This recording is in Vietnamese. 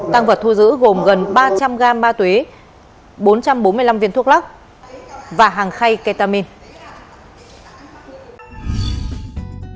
tăng vật thu giữ gồm gần ba trăm linh gam ma túy bốn trăm bốn mươi năm viên thuốc lắc và hàng khay ketamin